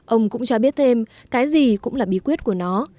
ông cũng cho biết thêm cái gì cũng là bí quyết của nó